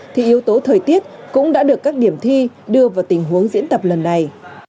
thì yếu tố thời tiết cũng đã được các điểm thi đưa vào tình huống diễn tập lần này